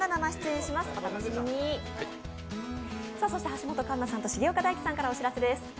橋本環奈さんと重岡大毅さんからお知らせです。